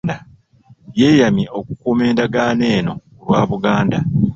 Yeeyamye okukuuma endagaano eno ku lwa Buganda